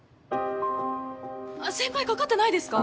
先輩かかってないですか？